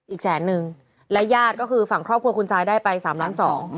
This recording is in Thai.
แสนนึงและญาติก็คือฝั่งครอบครัวคุณซายได้ไปสามล้านสอง